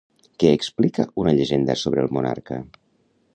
Què explica una llegenda sobre el monarca?